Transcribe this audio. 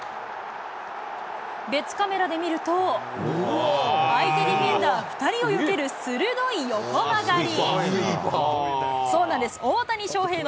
別カメラで見ると、相手ディフェンダー２人をよける鋭い横曲がり。